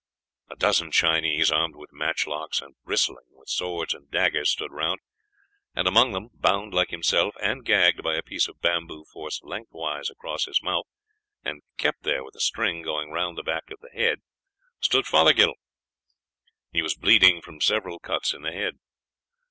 A dozen Chinese, armed with matchlocks and bristling with swords and daggers, stood around, and among them, bound like himself and gagged by a piece of bamboo forced lengthways across his mouth and kept there with a string going round the back of the head, stood Fothergill. He was bleeding from several cuts in the head.